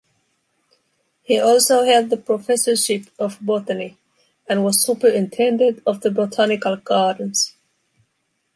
He also held the professorship of botany and was superintendent of the botanical gardens.